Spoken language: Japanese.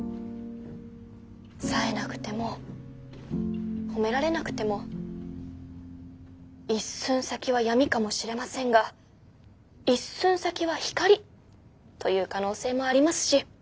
さえなくても褒められなくても一寸先は闇かもしれませんが一寸先は光という可能性もありますし。